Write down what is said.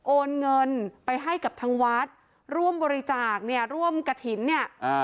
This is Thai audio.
โอนเงินไปให้กับทางวัดร่วมบริจาคเนี่ยร่วมกระถิ่นเนี่ยอ่า